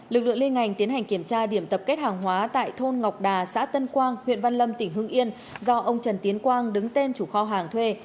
lực lượng liên ngành tiến hành kiểm tra điểm tập kết hàng hóa tại thôn ngọc đà xã tân quang huyện văn lâm tỉnh hưng yên do ông trần tiến quang đứng tên chủ kho hàng thuê